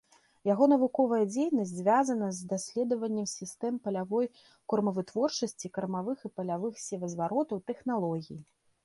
Яго навуковая дзейнасць звязана з даследаваннем сістэм палявой кормавытворчасці, кармавых і палявых севазваротаў, тэхналогій.